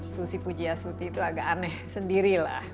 susi pujiasuti itu agak aneh sendiri lah